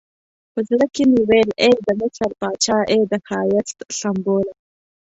په زړه کې مې ویل ای د مصر پاچا، ای د ښایست سمبوله.